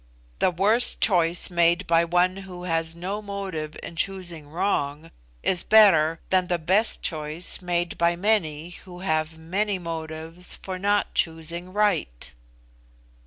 The worst choice made by one who has no motive in choosing wrong, is better than the best choice made by many who have many motives for not choosing right."